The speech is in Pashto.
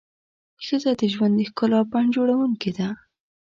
ښځه د ژوند د ښکلا بڼ جوړونکې ده.